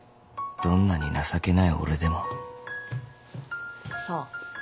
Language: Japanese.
［どんなに情けない俺でも］さあ。